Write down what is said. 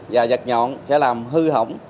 và giặt nhọn sẽ làm hư hỏng